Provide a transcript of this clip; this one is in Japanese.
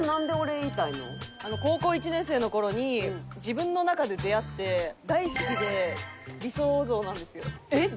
高校１年生の頃に自分の中で出会って大好きで理想像なんですよ。えっ？